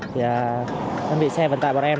thì đơn vị xe vận tải bọn em